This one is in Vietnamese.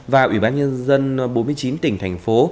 và ủy ban nhân dân bốn mươi chín tỉnh thành phố